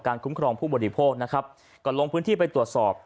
คุ้มครองผู้บริโภคนะครับก่อนลงพื้นที่ไปตรวจสอบ